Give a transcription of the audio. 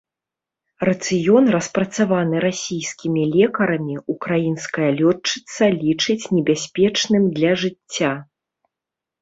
Рацыён, распрацаваны расійскімі лекарамі, украінская лётчыца лічыць небяспечным для жыцця.